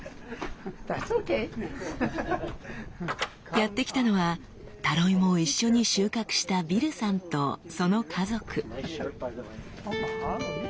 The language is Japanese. やって来たのはタロイモを一緒に収穫したビルさんとその家族。